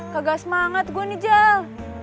kagak semangat gue nih jal